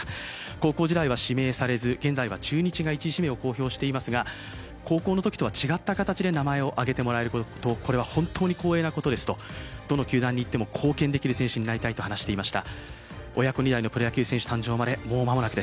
高校時代は指名されず現在は中日が１位指名を公表していますが高校のときとは違った形で名前を挙げてもらえることこれは本当に光栄なことですとどの球団にいっても貢献できる選手になりたいと話していました。